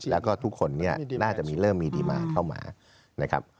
แล้วก็ทุกคนเนี่ยน่าจะมีเริ่มมีดีมาเข้ามานะครับ